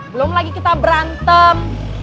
belum lagi kita berantem